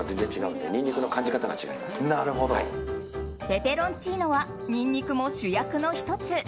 ペペロンチーノはニンニクも主役の１つ。